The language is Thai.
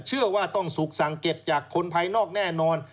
เชื่อว่าต้องถูกสั่งเก็บจากคนภายนอกแน่นอน